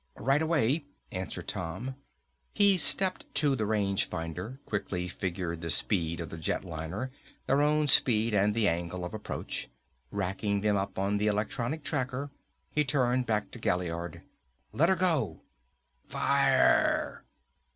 "Right away," answered Tom. He stepped to the range finder, quickly figured the speed of the jet liner, their own speed and the angle of approach. Racking them up on the electronic tracker, he turned back to Gaillard, "Let her go!" "Fire!"